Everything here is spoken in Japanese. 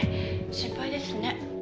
心配ですね。